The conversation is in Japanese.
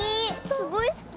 すごいすき。